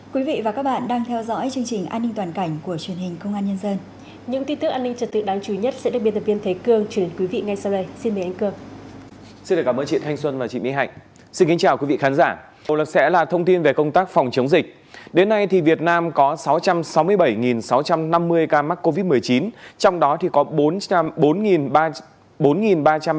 các bạn hãy đăng ký kênh để ủng hộ kênh của chúng mình nhé